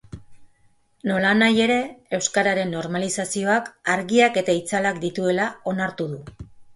Nolanahi ere, euskararen normalizazioak argiak eta itzalak dituela onartu du.